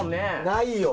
ないよ。